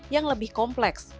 yang lebih komplis